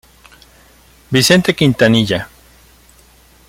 Vicente Quintanilla.